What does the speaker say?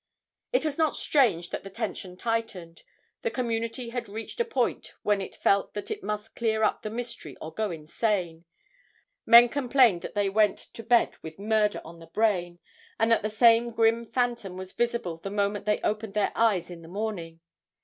It was not strange that the tension tightened. The community had reached a point when it felt that it must clear up the mystery or go insane. Men complained that they went to bed with murder on the brain, and that the same grim phantom was visible the moment they opened their eyes in the morning.